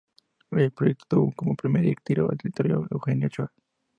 El proyecto tuvo como primer director literario a Eugenio Ochoa.